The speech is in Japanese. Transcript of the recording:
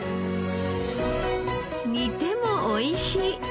煮てもおいしい。